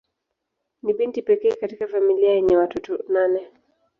Ni binti pekee katika familia yenye watoto nane.